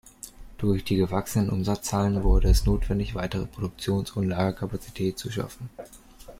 Durch die gewachsenen Umsatzzahlen wurde es notwendig weitere Produktions- und Lagerkapazität zu schaffen.